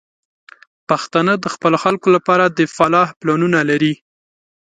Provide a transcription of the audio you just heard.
پښتانه د خپلو خلکو لپاره د فلاح پلانونه لري.